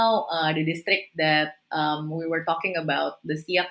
sekarang distrik yang kita bicarakan